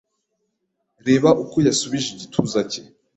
Reba uko yasubije igituza cye